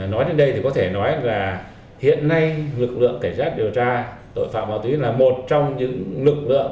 nói đến đây thì có thể nói là hiện nay lực lượng cảnh sát điều tra tội phạm ma túy là một trong những lực lượng